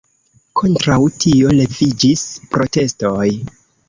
Kontraŭ tio leviĝis protestoj.